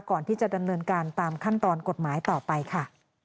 ก่อนที่จะดำเนินการตามขั้นตอนกฎหมายต่อไปค่ะ